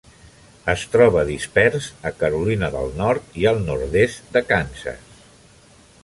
Es troba dispers a Carolina del Nord i al nord-est de Kansas.